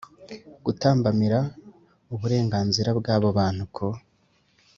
Gutambamira uburenganzira bw abo bantu ku